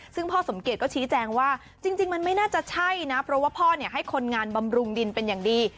ซึ่งพ่อสมเกียจก็ชี้แจงว่าจริงมันไม่น่าจะใช่นะเพราะว่าพ่อให้คนงานบำรุงดินเป็นอย่างดี